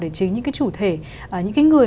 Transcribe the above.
để chính những cái chủ thể những cái người